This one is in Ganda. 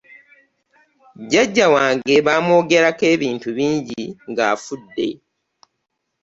Jajja wange bamwogerako ebintu bingi ng'afudde.